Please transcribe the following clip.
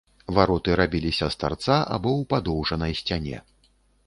Вароты рабіліся з тарца або ў падоўжанай сцяне.